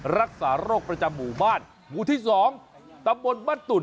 รักษาโรคประจำหมู่บ้านหมู่ที่๒ตำบลบ้านตุ่น